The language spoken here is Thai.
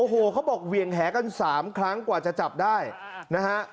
โอ้โหเขาบอกเวียงแหกัน๓ครั้งกว่าจะจับได้นะฮะ